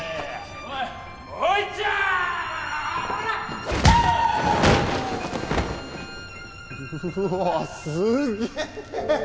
うわぁすっげえ！